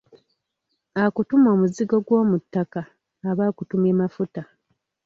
Akutuma omuzigo gwomu ttaka, aba akutumye Mafuta.